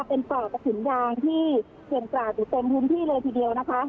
เป็นปอกกระสุนยางที่เขื่อนกราดอยู่เต็มพื้นที่เลยทีเดียวนะคะ